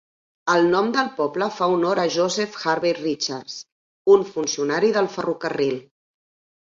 El nom del poble fa honor a Joseph Harvey Richards, un funcionari del ferrocarril.